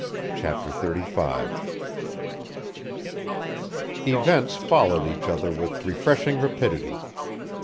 CHAPTER XXXV Events followed each other with refreshing rapidity.